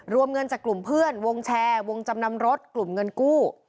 รวมเงินจากกลุ่มเพื่อนวงแชร์วงจำนำรถกลุ่มเงินกู้